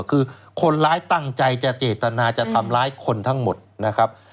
คือคนร้ายตั้งใจจะเจตนาจะทำร้ายคนทั้งหมดนะครับ